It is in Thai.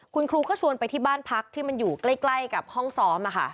คุณครูก็ชวนไปที่บ้านพักที่มันอยู่ใกล้กับห้องซ้อม